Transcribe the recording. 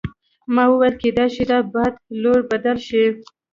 ما وویل کیدای شي د باد لوری بدل شي.